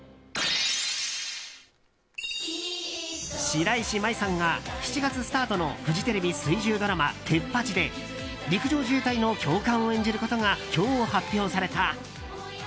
白石麻衣さんが７月スタートのフジテレビ水１０ドラマ「テッパチ！」で陸上自衛隊の教官を演じることが今日、発表された。